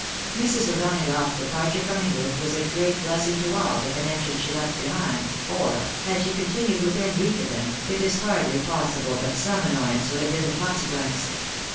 ««•»•• Mrs. O'Donagough's departure from England was a great blessing to all the connections she left behind, for, had she con tinued within reach of them, it is hardly possible but some an noyance would have been the consequence.